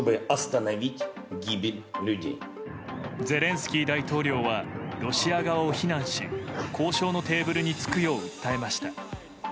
ゼレンスキー大統領はロシア側を非難し交渉のテーブルに着くよう訴えました。